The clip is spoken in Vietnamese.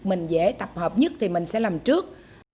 mình dễ tập hợp nhất thì mình sẽ làm trước